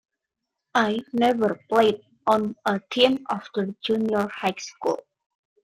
I never played on a team after Junior High School.